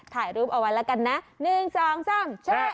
ถ่ายรูปเอาไว้แล้วกันนะ๑๒๓ใช่ไหม